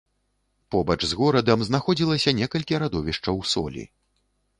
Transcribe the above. Побач з горадам знаходзілася некалькі радовішчаў солі.